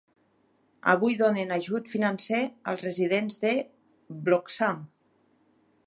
Avui donen ajut financer als residents de Bloxham.